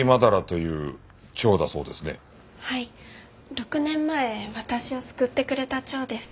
６年前私を救ってくれた蝶です。